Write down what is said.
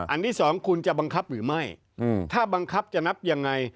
ที่สองคุณจะบังคับหรือไม่ถ้าบังคับจะนับยังไง